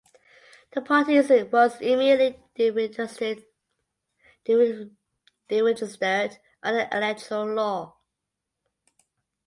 The party was immediately deregistered under the electoral law.